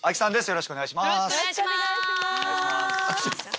よろしくお願いします。